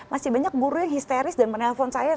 masih banyak buruh yang histeris dan menelpon saya